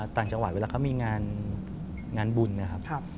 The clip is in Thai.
ต่างจังหวัดเวลาเขามีงานบุญนะครับ